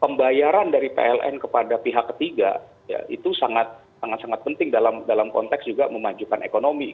pembayaran dari pln kepada pihak ketiga itu sangat sangat penting dalam konteks juga memajukan ekonomi